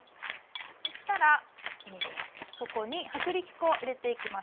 そしたらここに薄力粉を入れていきましょう。